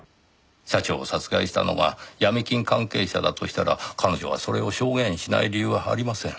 社長を殺害したのがヤミ金関係者だとしたら彼女がそれを証言しない理由はありません。